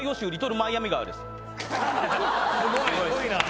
すごいな！